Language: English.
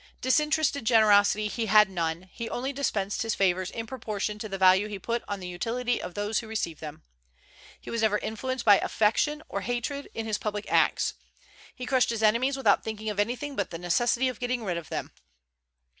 "Disinterested generosity he had none; he only dispensed his favors in proportion to the value he put on the utility of those who received them. He was never influenced by affection or hatred in his public acts. He crushed his enemies without thinking of anything but the necessity of getting rid of them.